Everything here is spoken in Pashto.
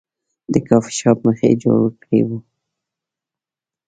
د کافي شاپ مخ یې جارو کړی و.